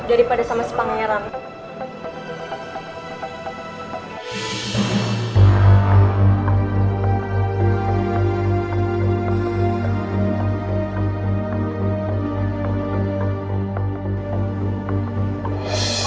daripada sama sepangerang